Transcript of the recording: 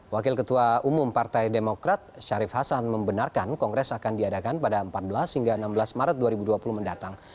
wakil ketua umum partai demokrat syarif hasan membenarkan kongres akan diadakan pada empat belas hingga enam belas maret dua ribu dua puluh mendatang